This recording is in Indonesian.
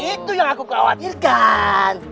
itu yang aku khawatirkan